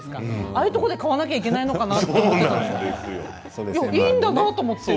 ああいうところで買わなきゃいけないのかなと思っていたんですけど